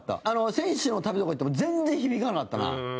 選手のためとかいっても全然響かなかったな。